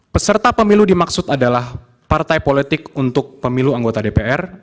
peserta pemilu dimaksud adalah partai politik untuk pemilu anggota dpr